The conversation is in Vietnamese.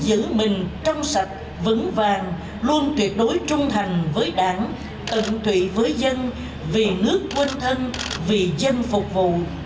giữ mình trong sạch vững vàng luôn tuyệt đối trung thành với đảng ẩn thủy với dân vì nước quân thân vì dân phục vụ